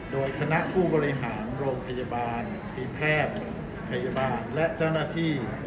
โดยคณะผู้บริหารโรงพยาบาลทีมแพทย์พยาบาลและเจ้าหน้าที่